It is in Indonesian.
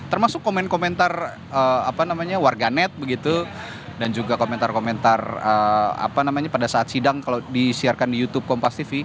termasuk komen komen warganet dan juga komentar komentar pada saat sidang kalau di sharekan di youtube kompas tv